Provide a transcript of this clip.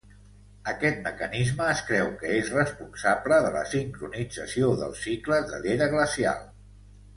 Aquest mecanisme es creu que és responsable de la sincronització dels cicles de l'era glacial.